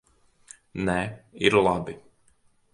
Nē, ir labi.